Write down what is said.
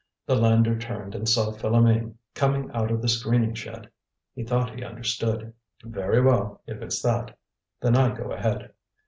The lander turned and saw Philoméne coming out of the screening shed. He thought he understood. "Very well, if it's that. Then I go ahead."